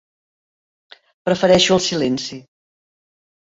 Prefereixo el silenci.